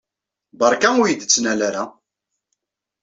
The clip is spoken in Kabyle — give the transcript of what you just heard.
Beṛka ur iyi-d-ttnal ara.